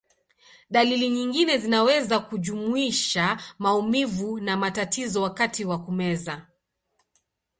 Dalili nyingine zinaweza kujumuisha maumivu na matatizo wakati wa kumeza.